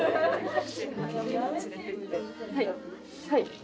はい。